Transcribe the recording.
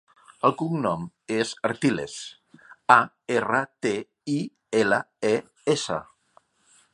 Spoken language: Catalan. El cognom és Artiles: a, erra, te, i, ela, e, essa.